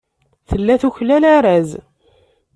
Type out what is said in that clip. Tella tuklal arraz.